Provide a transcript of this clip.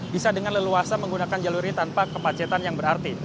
bisa dengan leluasa menggunakan jalur ini tanpa kemacetan yang berarti